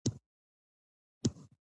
کندهاريان شينګياه خوښوي